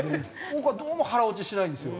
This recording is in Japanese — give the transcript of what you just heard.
僕はどうも腹落ちしないんですよ。